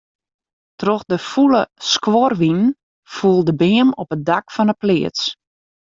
Troch de fûle skuorwinen foel de beam op it dak fan 'e pleats.